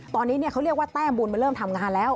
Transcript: ตอนนี้เขาเรียกว่าแต้มบุญมันเริ่มทำงานแล้ว